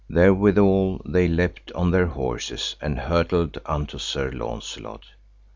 Therewithal, they leapt on their horses and hurtled unto Sir Launcelot.